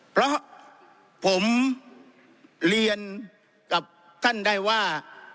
เพราะผมเรียนกับท่านได้ว่า